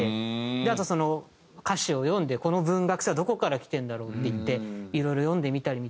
あと歌詞を読んでこの文学性はどこからきてるんだろうっていっていろいろ読んでみたりみたいな。